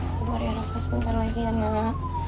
sabar ya rafa sebentar lagi ya nga